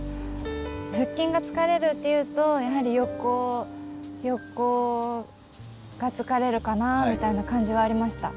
腹筋が疲れるっていうとやはり横が疲れるかなあみたいな感じはありました。